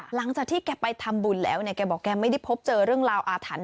หลังจากที่แกไปทำบุญแล้วเนี่ยแกบอกแกไม่ได้พบเจอเรื่องราวอาถรรพ